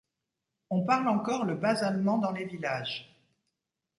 On parle encore le bas allemand dans les villages.